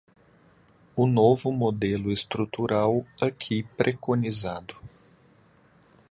O novo modelo estrutural aqui preconizado